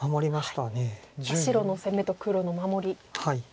白の攻めと黒の守り。